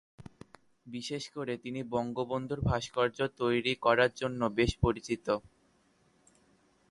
বিশেষ করে তিনি বঙ্গবন্ধুর ভাস্কর্য তৈরি করার জন্য বেশ পরিচিত।